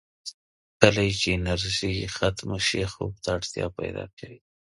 کله یې چې انرژي ختمه شي، خوب ته اړتیا پیدا کوي.